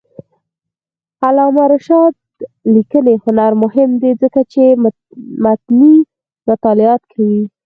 د علامه رشاد لیکنی هنر مهم دی ځکه چې متني مطالعات کوي.